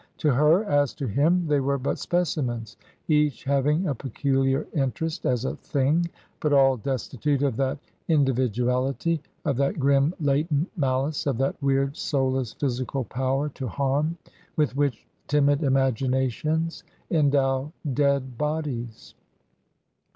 To her, as to him, they were but specimens, each having a peculiar interest, as a thing, but all destitute of that individuality, of that grim, latent malice, of that weird, soulless, physical power to harm, with which timid imaginations endow dead bodies.